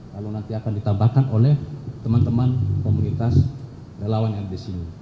kalau nanti akan ditambahkan oleh teman teman komunitas relawan yang di sini